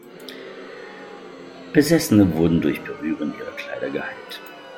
Besessene wurden durch Berühren ihrer Kleider geheilt.